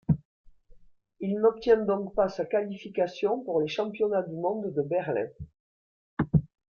Il n'obtient donc pas sa qualification pour les Championnats du monde de Berlin.